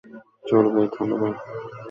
চলবে, ধন্যবাদ।